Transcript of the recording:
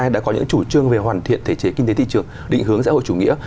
đã có những chủ trương về hoàn thiện thể chế kinh tế thị trường định hướng xã hội chủ nghĩa